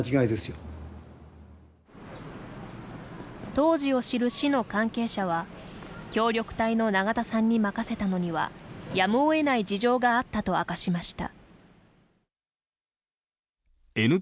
当時を知る市の関係者は協力隊の永田さんに任せたのにはやむを得ない事情があったと明かしました。